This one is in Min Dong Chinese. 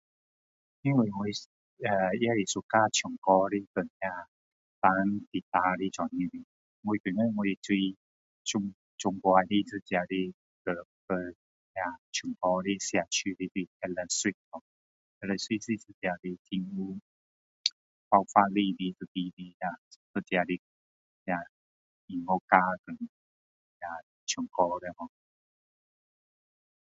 因为我也是 suka 唱歌 li